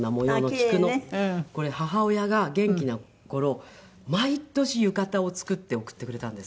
これ母親が元気な頃毎年浴衣を作って送ってくれたんです。